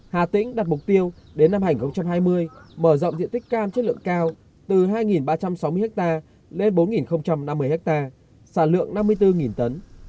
hà tĩnh đặt mục tiêu đến năm hai nghìn hai mươi mở rộng diện tích cam chất lượng cao từ hai ba trăm sáu mươi ha lên bốn năm mươi ha sản lượng năm mươi bốn tấn